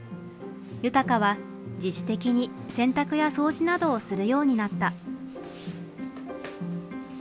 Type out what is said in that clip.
悠鷹は自主的に洗濯や掃除などをするようになった。